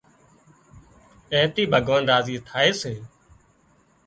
اين ٿِي ڀڳوان راضي ٿائي سي